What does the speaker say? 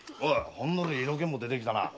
ほんのり色気も出てきたな。